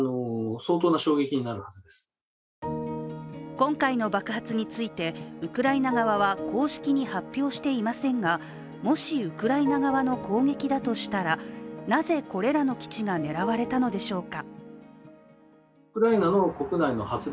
今回の爆発についてウクライナ側は公式に発表していませんが、もしウクライナ側の攻撃だとしたらなぜこれらの基地が狙われたのでしょうか。